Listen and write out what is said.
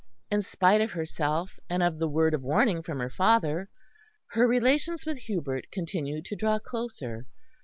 In spite of herself and of the word of warning from her father, her relations with Hubert continued to draw closer.